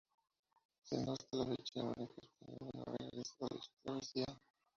Siendo hasta la fecha el único español en haber realizado dicha travesía.